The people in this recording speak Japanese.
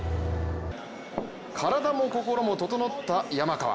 体も心も整った山川。